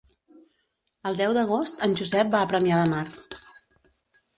El deu d'agost en Josep va a Premià de Mar.